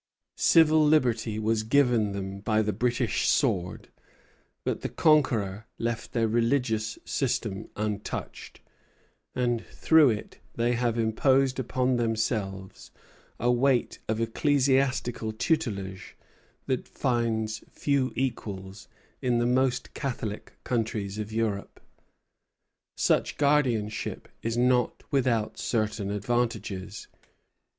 Civil liberty was given them by the British sword; but the conqueror left their religious system untouched, and through it they have imposed upon themselves a weight of ecclesiastical tutelage that finds few equals in the most Catholic countries of Europe. Such guardianship is not without certain advantages.